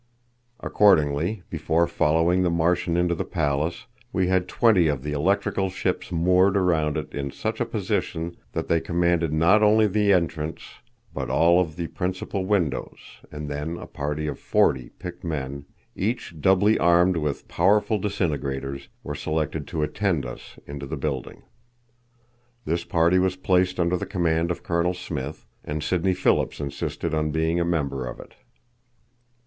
Accordingly, before following the Martian into the palace, we had twenty of the electrical ships moored around it in such a position that they commanded not only the entrance but all of the principal windows, and then a party of forty picked men, each doubly armed with powerful disintegrators, were selected to attend us into the building. This party was placed under the command of Colonel Smith, and Sidney Phillips insisted on being a member of it.